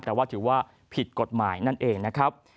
แต่ว่าถือว่าผิดกฎหมายนั่นเองนะครับ